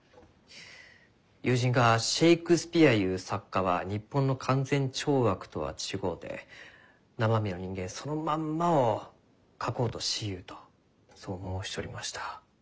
友人がシェークスピヤゆう作家は日本の勧善懲悪とは違うて生身の人間そのまんまを書こうとしゆうとそう申しちょりました。